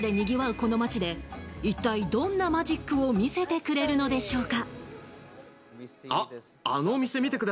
この街で一体どんなマジックを見せてくれるのでしょうか。